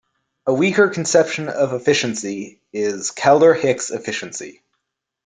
A weaker conception of efficiency is Kaldor-Hicks efficiency.